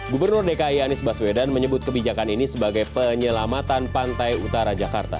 gubernur dki anies baswedan menyebut kebijakan ini sebagai penyelamatan pantai utara jakarta